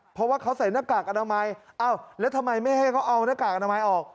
เพราะว่าเขาใส่หน้ากากอนามัยเอ้าแล้วทำไมไม่ให้เขาเอาหน้ากากอนามัยออก